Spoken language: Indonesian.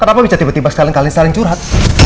kenapa bisa tiba tiba sekalian kalian sering curhat